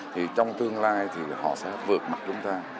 thì trong tương lai thì họ sẽ vượt mặt chúng ta